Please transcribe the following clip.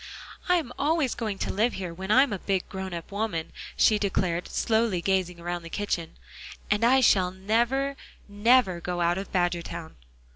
"I'm always going to live here when I am a big, grown up woman," she declared, slowly gazing around the kitchen, "and I shall never, never go out of Badgertown."